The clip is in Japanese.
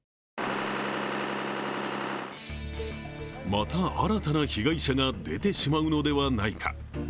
また新たな被害者が出てしまうのではないか。